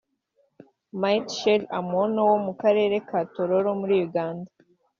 Mitchell Amwono wo mu karere ka Tororo muri Uganda